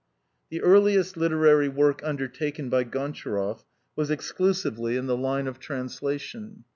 The earliest literary work undertaken by Gontcharoff, was exclusively in the line of translation.